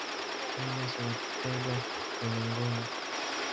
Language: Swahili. Minus huwatega kwenye ngome.